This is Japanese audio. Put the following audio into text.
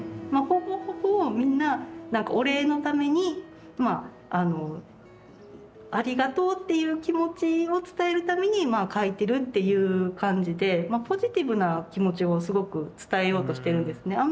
ほぼほぼみんな何かお礼のためにありがとうっていう気持ちを伝えるために描いてるっていう感じでポジティブな気持ちをすごく伝えようとしてるんですね。